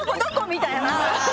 みたいな。